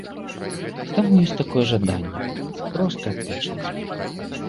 Таму ёсць такое жаданне проста адпачыць.